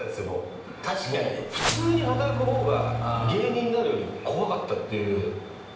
もう普通に働く方が芸人になるより怖かったっていう。